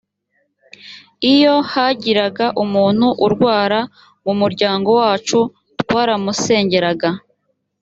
iyo hagiraga umuntu urwara mu muryango wacu twaramusengeraga